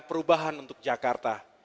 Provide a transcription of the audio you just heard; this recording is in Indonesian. perubahan untuk jakarta